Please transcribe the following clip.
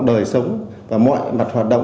đời sống và mọi mặt hoạt động